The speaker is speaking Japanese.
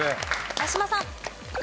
八嶋さん。